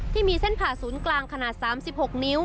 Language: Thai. ที่มีเส้นผ่าศูนย์กลางขนาด๓๖นิ้ว